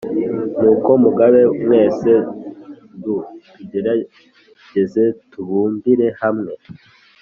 nuko mugabe mwese!du tugerezetubumbire hamwe